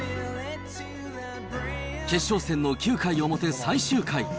決勝戦の９回表最終回。